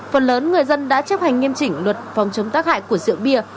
phần lớn người dân đã chấp hành nghiêm chỉnh luật phòng chống tác hại của rượu bia